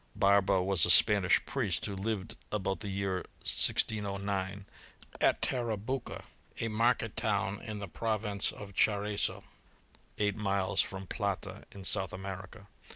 Barba was a Spanish priest, who lived about the year 1609, at Tarabuco, a market town in the province of Charcso, eight miles from Plata, in South America.